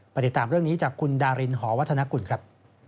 ติดตามเรื่องนี้จากคุณดารินหอวัฒนกุลครับ